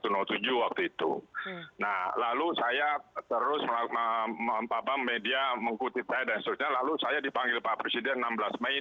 nah lalu saya terus melakukan media mengkutip saya dan seterusnya lalu saya dipanggil pak presiden enam belas mei dua ribu enam belas